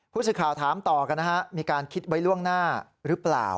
ผู้สื่อข่าวถามต่อกันนะฮะมีการคิดไว้ล่วงหน้าหรือเปล่า